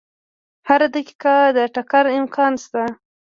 هره دقیقه د ټکر امکان شته.